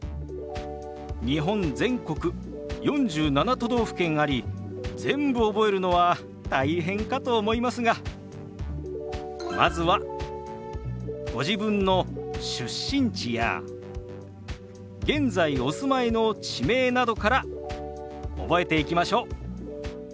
日本全国４７都道府県あり全部覚えるのは大変かと思いますがまずはご自分の出身地や現在お住まいの地名などから覚えていきましょう。